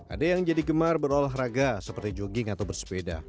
ada yang jadi gemar berolahraga seperti jogging atau bersepeda